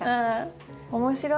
面白い。